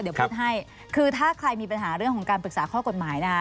เดี๋ยวพูดให้คือถ้าใครมีปัญหาเรื่องของการปรึกษาข้อกฎหมายนะคะ